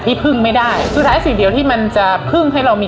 พึ่งไม่ได้สุดท้ายสิ่งเดียวที่มันจะพึ่งให้เรามี